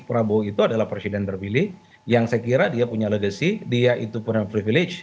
prabowo itu adalah presiden terpilih yang saya kira dia punya legacy dia itu punya privilege